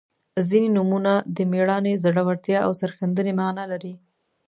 • ځینې نومونه د میړانې، زړورتیا او سرښندنې معنا لري.